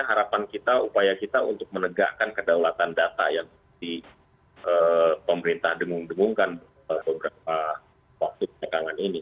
harapan kita upaya kita untuk menegakkan kedaulatan data yang di pemerintah dengung dengungkan beberapa waktu belakangan ini